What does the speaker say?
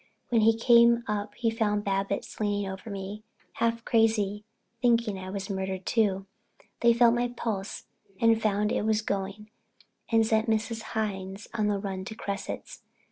When he came up he found Babbitts kneeling over me, half crazy, thinking I was murdered, too. They felt my pulse and found it was going and sent Mrs. Hines on the run to Cresset's.